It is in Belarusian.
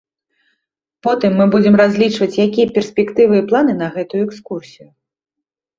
Потым мы будзем разлічваць, якія перспектывы і планы на гэтую экскурсію.